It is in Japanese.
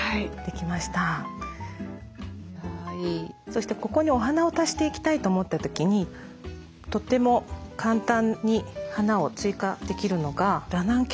そしてここにお花を足していきたいと思った時にとても簡単に花を追加できるのがラナンキュラスがあるんですね。